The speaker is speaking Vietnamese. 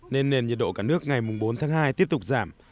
nên nền nhiệt độ cả nước ngày bốn tháng hai tiếp tục giảm